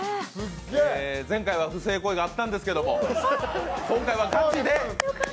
前回は不正行為があったんですけれども、今回はガチで。